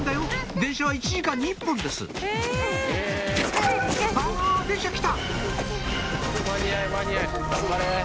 電車は１時間に１本ですあ電車来た！